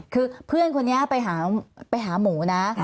คือเพื่อนคนนี้ไปหาหมูนะ